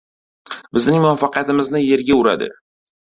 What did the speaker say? Bizning muvaffaqiyatimizni yerga uradi!